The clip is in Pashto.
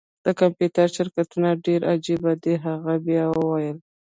د کمپیوټر شرکتونه ډیر عجیب دي هغې بیا وویل